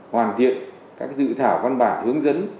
hoàn thiện các dự thảo văn bản hướng dẫn